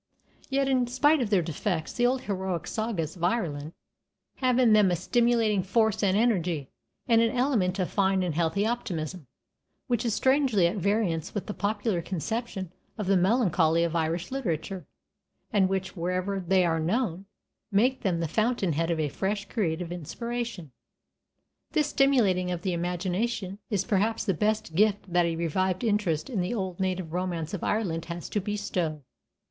Yet, in spite of their defects, the old heroic sagas of Ireland have in them a stimulating force and energy, and an element of fine and healthy optimism, which is strangely at variance with the popular conception of the melancholy of Irish literature, and which, wherever they are known, make them the fountain head of a fresh creative inspiration. This stimulating of the imagination is perhaps the best gift that a revived interest in the old native romance of Ireland has to bestow.